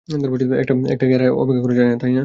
একটা খেয়ে আর অপেক্ষা করা যায় না, তাই না?